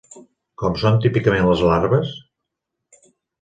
Com són típicament les larves?